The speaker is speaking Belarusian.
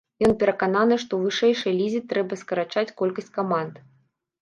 Ён перакананы, што ў вышэйшай лізе трэба скарачаць колькасць каманд.